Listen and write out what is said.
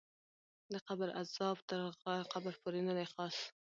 د قبر غذاب تر قبر پورې ندی خاص